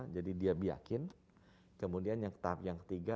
jadi dia biakin kemudian yang ketiga